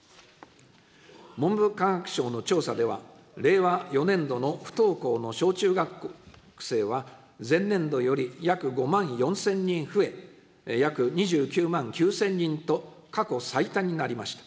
文部科学省の調査では、令和４年度の不登校の小中学生は、前年度より約５万４０００人増え、約２９万９０００人と過去最多になりました。